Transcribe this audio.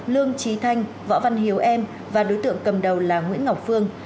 lương trí thanh võ văn hiếu em và đối tượng cầm đầu là nguyễn ngọc phương